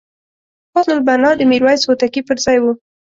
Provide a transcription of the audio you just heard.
حسن البناء د میرویس هوتکي پرځای وو.